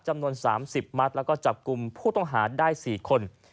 จำนวน๓๐มัดแล้วก็จับกลุ่มผู้ต้องหาได้๔คน